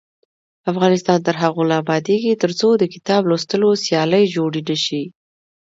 افغانستان تر هغو نه ابادیږي، ترڅو د کتاب لوستلو سیالۍ جوړې نشي.